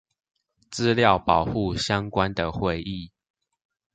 資料保護相關的會議